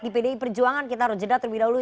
di pdi perjuangan kita harus jeda terlebih dahulu